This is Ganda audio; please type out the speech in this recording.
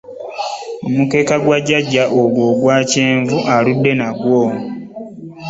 Omukeeka gwa jjajja ogwo ogwa kyenvu aludde nagwo!